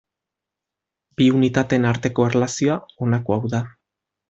Bi unitateen arteko erlazioa honako hau da.